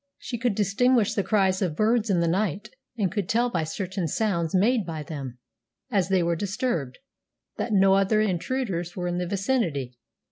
She could distinguish the cries of birds in the night, and could tell by certain sounds made by them, as they were disturbed, that no other intruders were in the vicinity.